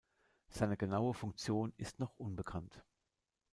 Seine genaue Funktion ist noch unbekannt.